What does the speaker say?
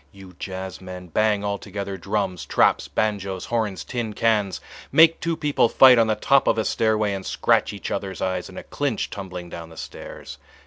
you jazzmen, bang altogether drums, traps, banjoes, horns, tin cans—make two people fight on the top of a stairway and scratch each other's eyes in a clinch tumbling down the stairs.